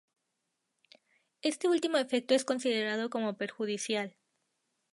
Este último efecto es considerado como perjudicial.